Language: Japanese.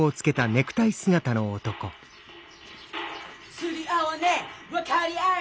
・・釣り合わねぇ分かりあえ